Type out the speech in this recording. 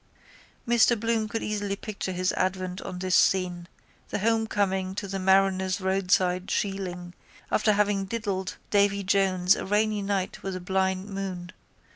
Mr Bloom could easily picture his advent on this scene, the homecoming to the mariner's roadside shieling after having diddled Davy Jones, a rainy night with a blind moon.